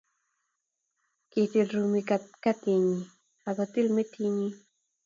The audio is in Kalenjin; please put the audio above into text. kitil rumiik katitnyin ak kotil metitnyin